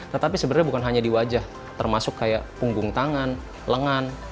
tetapi sebenarnya bukan hanya di wajah termasuk kayak punggung tangan lengan